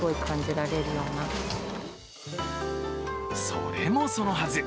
それもそのはず。